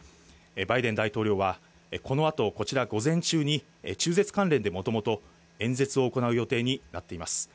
バイデン大統領は、このあと、こちら午前中に、中絶関連でもともと演説を行う予定になっています。